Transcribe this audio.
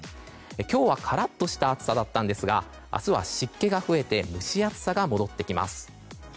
今日はカラッとした暑さだったんですが明日は湿気が増えて蒸し暑さが戻ってきます。